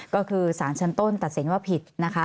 ก็คือสารชนต้นตัดสินว่าผิด